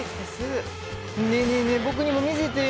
ねえねえ、僕にも見せてよ。